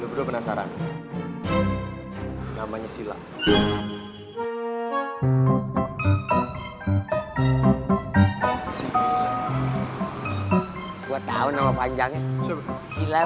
eh cantik dia anaknya